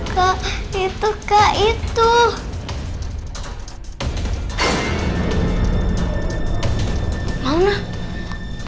lu sudah kalah